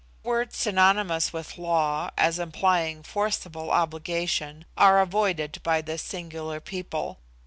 Words synonymous with law, as implying forcible obligation, are avoided by this singular people.